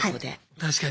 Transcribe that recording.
確かに。